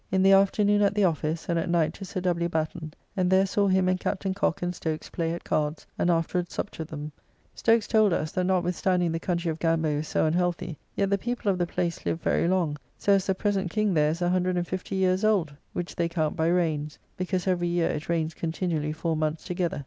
In the afternoon at the office, and at night to Sir W. Batten, and there saw him and Captain Cock and Stokes play at cards, and afterwards supped with them. Stokes told us, that notwithstanding the country of Gambo is so unhealthy, yet the people of the place live very long, so as the present king there is 150 years old, which they count by rains: because every year it rains continually four months together.